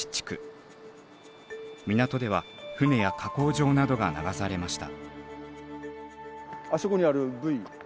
港では船や加工場などが流されました。